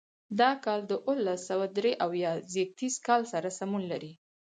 دا کال د اوولس سوه درې اویا زېږدیز کال سره سمون لري.